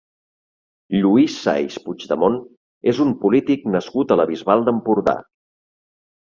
Lluís Sais Puigdemont és un polític nascut a la Bisbal d'Empordà.